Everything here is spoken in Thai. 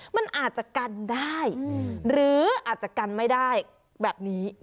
มันอาจจะกันได้หรืออาจจะกันไม่ได้แบบนี้